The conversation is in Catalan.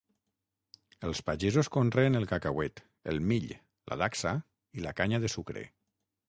Els pagesos conreen el cacauet, el mill, la dacsa i la canya de sucre.